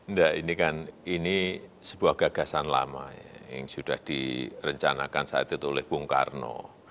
enggak ini kan ini sebuah gagasan lama yang sudah direncanakan saat itu oleh bung karno